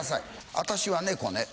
私は猫ね。